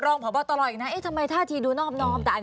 ต้องไปตลอด